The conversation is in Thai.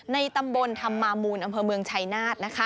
ในตำบลธรรมามูลอำเภอเมืองชัยนาธ